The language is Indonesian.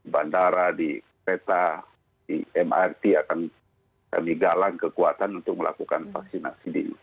bandara di reta di mrt akan digalang kekuatan untuk melakukan vaksinasi